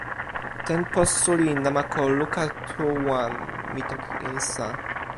tenpo suli namako luka tu wan, mi toki insa.